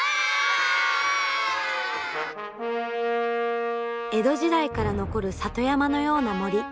江戸時代から残る里山のような森。